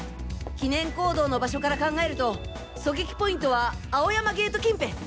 記念講堂の場所から考えると狙撃ポイントは青山ゲート近辺！